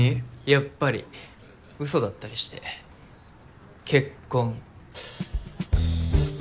やっぱりうそだったりして結婚。